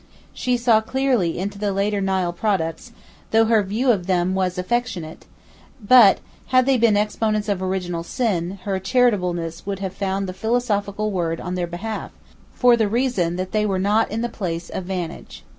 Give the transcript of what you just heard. She saw clearly into the later Nile products, though her view of them was affectionate; but had they been exponents of original sin, her charitableness would have found the philosophical word on their behalf, for the reason that they were not in the place of vantage.